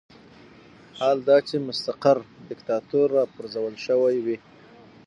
حال دا چې مستقر دیکتاتور راپرځول شوی وي.